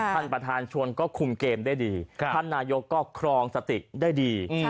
ท่านประธานชวนก็คุมเกมได้ดีท่านนายกก็ครองสติได้ดี